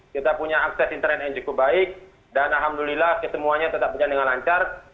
kita punya akses internet yang cukup baik dan alhamdulillah kesemuanya tetap berjalan dengan lancar